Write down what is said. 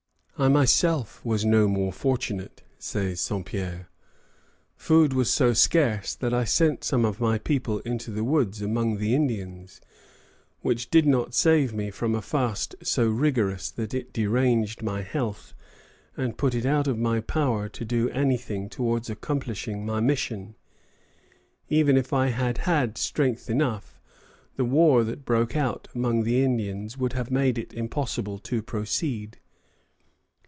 "I myself was no more fortunate," says Saint Pierre. "Food was so scarce that I sent some of my people into the woods among the Indians, which did not save me from a fast so rigorous that it deranged my health and put it out of my power to do anything towards accomplishing my mission. Even if I had had strength enough, the war that broke out among the Indians would have made it impossible to proceed."